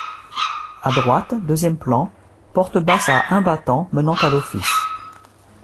A droite, deuxième plan, porte basse à un battant menant à l’office.